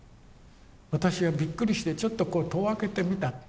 私はびっくりしてちょっとこう戸を開けてみた。